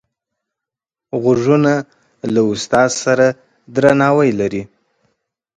غوږونه له استاد سره درناوی لري